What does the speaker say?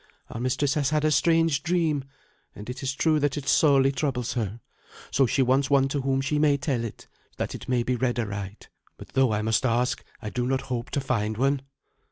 Our mistress has had a strange dream, and it is true that it sorely troubles her. So she wants one to whom she may tell it, that it may be read aright. But though I must ask, I do not hope to find one."